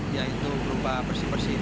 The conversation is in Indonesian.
yaitu berupa bersih bersih